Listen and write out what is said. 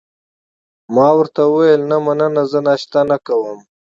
ما ورته وویل: نه، مننه، زه ناشته نه کوم.